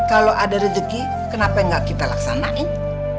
kalau ada rezeki kenapa nggak kita laksanain